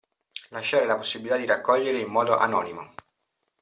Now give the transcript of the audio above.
Lasciare la possibilità di raccogliere in modo anonimo.